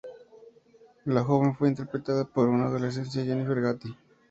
La joven fue interpretada por una adolescente Jennifer Gatti.